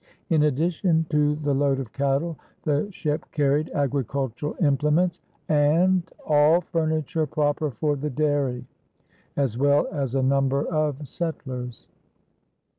In addition to the load of cattle, the ship carried agricultural implements and "all furniture proper for the dairy," as well as a number of settlers.